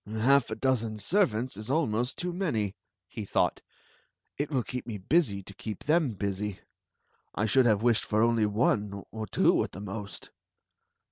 Half a dozen servants is almost too many/' he thought It will keep me busy to keep them busy. I should have wished for only one — or two at the most."